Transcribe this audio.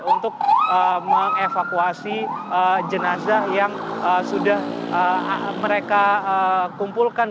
untuk mengevakuasi jenazah yang sudah mereka kumpulkan